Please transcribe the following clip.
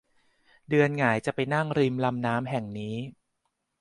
เดือนหงายจะไปนั่งริมลำน้ำแห่งนี้